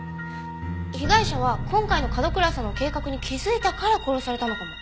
被害者は今回の角倉さんの計画に気づいたから殺されたのかも。